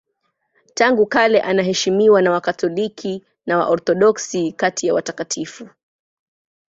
Tangu kale anaheshimiwa na Wakatoliki na Waorthodoksi kati ya watakatifu.